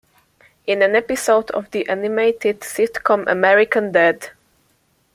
In an episode of the animated sitcom American Dad!